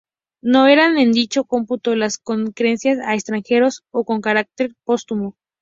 No entran en dicho cómputo las concedidas a extranjeros, o con carácter póstumo.